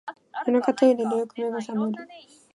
夜中、トイレでよく目が覚める